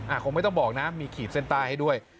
อ่าคงไม่ต้องบอกนะมีขีบเซนตาให้ด้วย